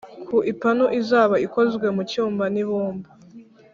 ku ipanu izaba ikozwe mu cyuma nibumba